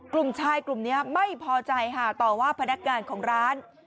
กลุ่มชายกลุ่มนี้ไม่พอใจค่ะต่อว่าพนักงานของร้าน